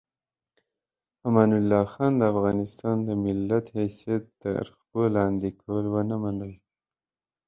امان الله خان د افغانستان د ملت حیثیت تر پښو لاندې کول ونه منل.